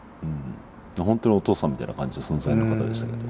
本当にお父さんみたいな感じの存在の方でしたけど。